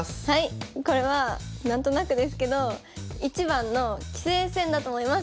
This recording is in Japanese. これは何となくですけど１番の棋聖戦だと思います。